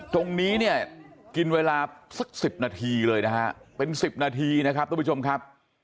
ตรงนี้เนี่ยกินเวลาสัก๑๐นาทีเลยนะฮะเป็น๑๐นาทีนะครับทุกผู้ชมครับ